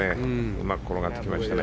うまく転がってきましたね。